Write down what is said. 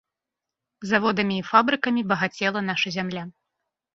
Заводамі і фабрыкамі багацела наша зямля.